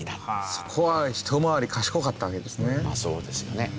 そこはひと回り賢かったわけですね。